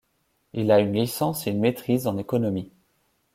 Il a une licence et une maîtrise en économie.